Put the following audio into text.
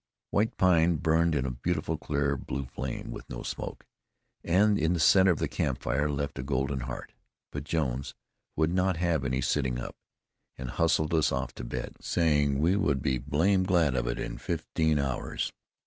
White pine burned in a beautiful, clear blue flame, with no smoke; and in the center of the campfire left a golden heart. But Jones would not have any sitting up, and hustled us off to bed, saying we would be "blamed" glad of it in about fifteen hours.